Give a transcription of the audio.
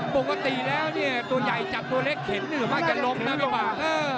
ปกติแล้วเนี่ยตัวใหญ่จับตัวเล็กแขนหรือว่าจะล้มนะไม่เปล่า